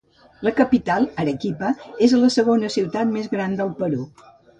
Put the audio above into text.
La capital, Arequipa, és la segona ciutat més gran del Perú.